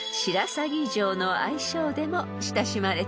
［の愛称でも親しまれています］